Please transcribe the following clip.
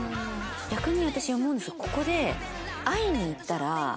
逆に私思うんです。